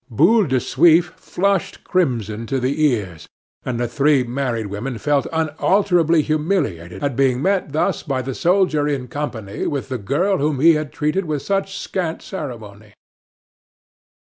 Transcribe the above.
Boule de Suif flushed crimson to the ears, and the three married women felt unutterably humiliated at being met thus by the soldier in company with the girl whom he had treated with such scant ceremony.